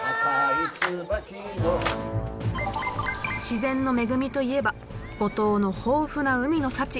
自然の恵みといえば五島の豊富な海の幸。